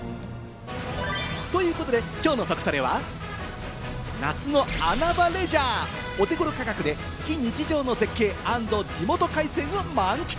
ということで、きょうのトクトレは、夏の穴場レジャー、お手頃価格で非日常の絶景＆地元海鮮を満喫！